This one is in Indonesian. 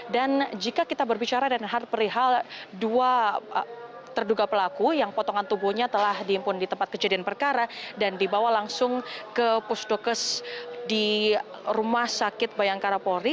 dan jika kita berbicara dengan hart perihal dua terduga pelaku yang potongan tubuhnya telah diimpun di tempat kejadian perkara dan dibawa langsung ke pus dokes di rumah sakit bayangkara polri